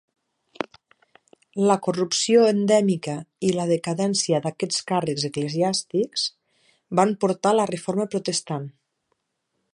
La corrupció endèmica i la decadència d'aquests càrrecs eclesiàstics van portar la Reforma Protestant.